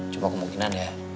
cuma kemungkinan ya